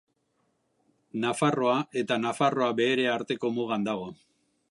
Nafarroa eta Nafarroa Beherea arteko mugan dago.